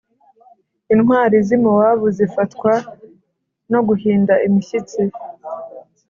intwari z’i mowabu zifatwa no guhinda imishyitsi,